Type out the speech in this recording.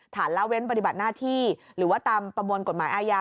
ละเว้นปฏิบัติหน้าที่หรือว่าตามประมวลกฎหมายอาญา